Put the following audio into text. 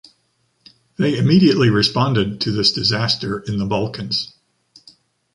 They immediately responded to this disaster in the Balkans.